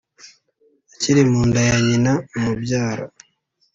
akiri mu nda ya nyina umubyara.